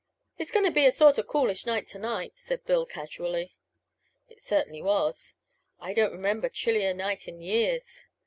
"It's going to be sort of coolish to night," said Bill casually. It certainly was. I don't remember a chillier night in years.